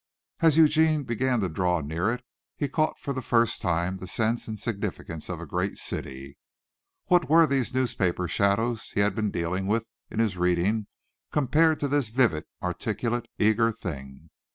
As Eugene began to draw near it he caught for the first time the sense and significance of a great city. What were these newspaper shadows he had been dealing with in his reading compared to this vivid, articulate, eager thing?